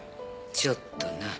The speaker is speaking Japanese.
ちょっとな。